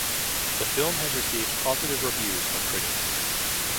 The film has received positive reviews from critics.